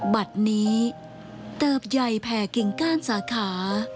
บัตรนี้เติบใหญ่แผ่กิ่งก้านสาขา